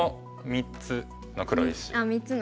あっ３つの黒石。